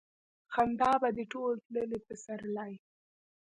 خندا به دې ټول تللي پسرلي